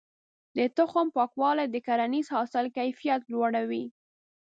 د تخم پاکوالی د کرنیز حاصل کيفيت لوړوي.